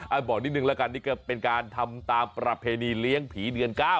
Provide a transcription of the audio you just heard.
บอกนิดนึงแล้วกันนี่ก็เป็นการทำตามประเพณีเลี้ยงผีเดือน๙